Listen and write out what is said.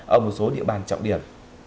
ở một số địa bàn trọng điểm